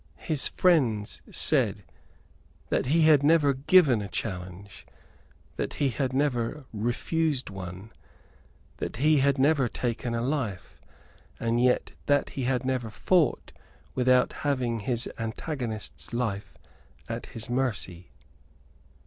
His friends said that he had never given a challenge, that he had never refused one, that he had never taken a life, and yet that he had never fought without having his antagonist's life at his mercy.